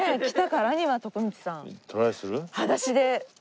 来たからには徳光さん。